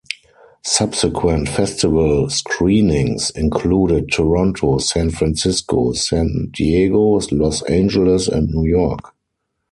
Subsequent festival screenings included Toronto, San Francisco, San Diego, Los Angeles and New York.